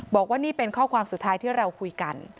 บอกว่านี่เป็นข้อความสุดท้ายที่เราคุยกัน